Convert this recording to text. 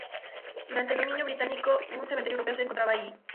Durante el dominio británico, un cementerio Europeo se encontraba aquí.